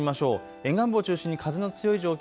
沿岸部を中心に風の強い状況